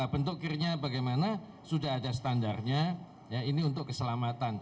bentuk kirnya bagaimana sudah ada standarnya ini untuk keselamatan